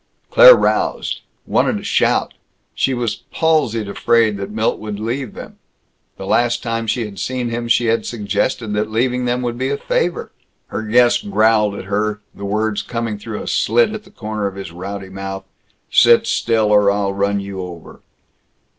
Claire roused; wanted to shout. She was palsied afraid that Milt would leave them. The last time she had seen him, she had suggested that leaving them would be a favor. Her guest growled at her the words coming through a slit at the corner of his rowdy mouth, "Sit still, or I'll run you over."